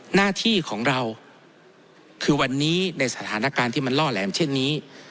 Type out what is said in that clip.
หน้าที่ของเราคือวันนี้ในสถานการณ์ที่มันล่อแหลมเช่นนี้